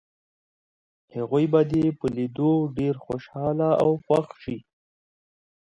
هغوی به دې په لیدو ډېر خوشحاله او خوښ شي.